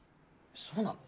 そうなの？